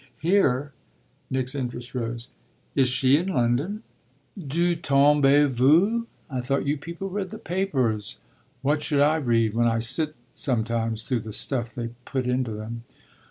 "Here?" Nick's interest rose. "Is she in London?" "D'où tombez vous? I thought you people read the papers." "What should I read, when I sit sometimes through the stuff they put into them?"